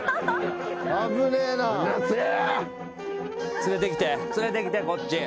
連れてきて連れてきてこっち。